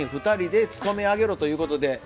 ２人でつとめ上げろということで。